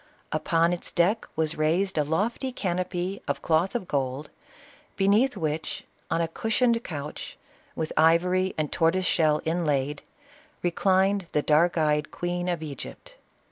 Upon its deck was raised a lofty canopy of cloth of gold, be neath which, on a cushioned couch, with ivory and tortoise shell inlaid, reclined the dark eyed queen of Egypt.